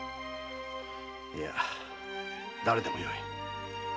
いや誰でもよい。